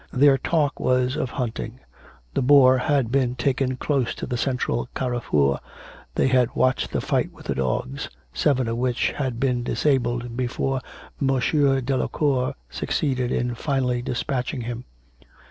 Their talk was of hunting. The boar had been taken close to the central carrefour, they had watched the fight with the dogs, seven of which he had disabled before M. Delacour succeeded in finally despatching him.